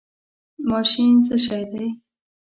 ماشین څه شی دی؟